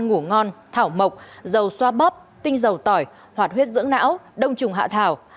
ngủ ngon thảo mộc dầu xoa bắp tinh dầu tỏi hoạt huyết dưỡng não đông trùng hạ thảo